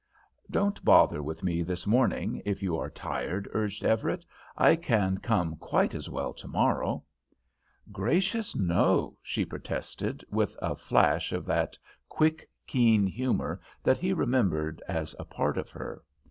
"Don't bother with me this morning, if you are tired," urged Everett. "I can come quite as well tomorrow." "Gracious, no!" she protested, with a flash of that quick, keen humour that he remembered as a part of her.